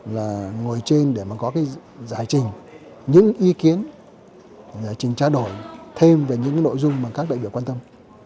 và ngồi trên để mà có cái giải trình những ý kiến giải trình trả đổi thêm về những nội dung mà các đại biểu quan tâm